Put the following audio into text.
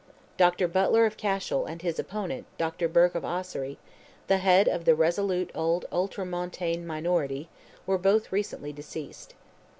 Dr. Butler of Cashel, and his opponent, Dr. Burke of Ossory, the head of the resolute old ultramontane minority, were both recently deceased.